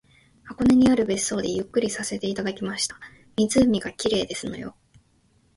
箱根にある別荘でゆっくりさせていただきました。湖が綺麗ですのよ